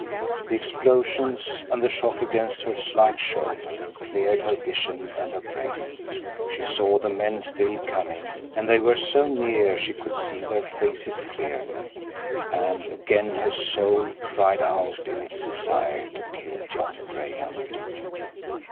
The explosions and the shock against her slight shoulder cleared her vision and her brain. She saw the men still coming, and they were so near she could see their faces clearly. And again her soul cried out in its desire to kill John Graham.